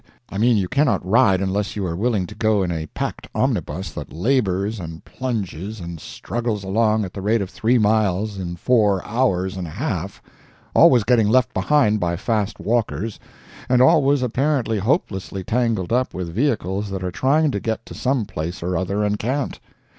I mean you cannot ride unless you are willing to go in a packed omnibus that labors, and plunges, and struggles along at the rate of three miles in four hours and a half, always getting left behind by fast walkers, and always apparently hopelessly tangled up with vehicles that are trying to get to some place or other and can't.